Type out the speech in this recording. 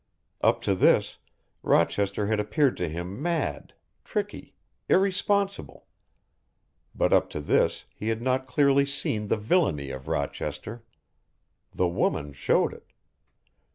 Up to this Rochester had appeared to him mad, tricky, irresponsible, but up to this he had not clearly seen the villainy of Rochester. The woman showed it.